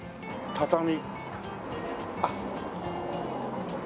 あっ。